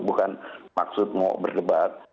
bukan maksud mau berdebat